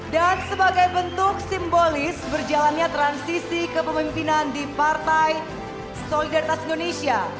dan sebagai bentuk simbolis berjalannya transisi kepemimpinan di partai solidaritas indonesia